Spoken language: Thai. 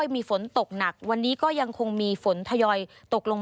สวัสดีค่ะสวัสดีค่ะสวัสดีค่ะ